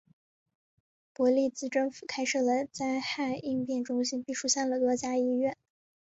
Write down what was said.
伯利兹政府开设了灾害应变中心并疏散了多家医院。